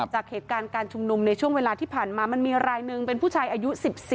จากเหตุการณ์การชุมนุมในช่วงเวลาที่ผ่านมามันมีรายหนึ่งเป็นผู้ชายอายุ๑๔